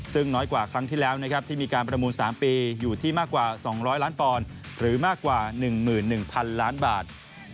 ซึ่งน้อยกว่าครั้งที่แล้วนะครับที่มีการประมูล๓ปีอยู่ที่มากกว่า๒๐๐ล้านปอนด์หรือมากกว่า๑๑๐๐๐ล้านบาท